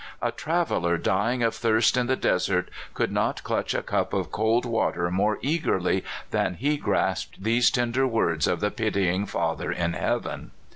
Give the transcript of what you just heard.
A traveler dying of thirst in the desert could not clutch a cup of cold water more eagerly than he grasped these tender words of the pitying Father in heaven.